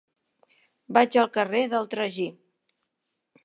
Vaig al carrer del Tragí.